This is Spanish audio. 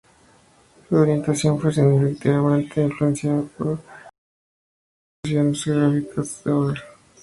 Su orientación fue significativamente influenciada por las consideraciones geográficas de Sauer.